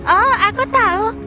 oh aku tahu